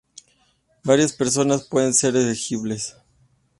Varias personas pueden ser elegibles.